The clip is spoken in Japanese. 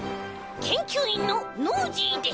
けんきゅういんのノージーです。